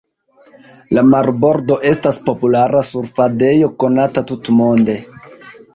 La marbordo estas populara surfadejo konata tutmonde.